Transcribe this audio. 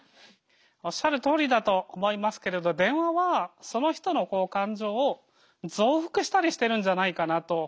おっしゃるとおりだと思いますけれど電話はその人の感情を増幅したりしてるんじゃないかなと思いますよね。